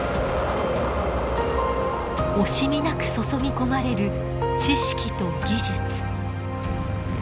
惜しみなく注ぎ込まれる知識と技術。